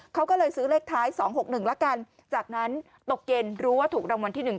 เขาก็เลยซื้อเลขท้ายสองหกหนึ่งละกันจากนั้นตกเย็นรู้ว่าถูกรางวัลที่หนึ่ง